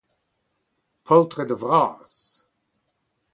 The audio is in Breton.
paotred vras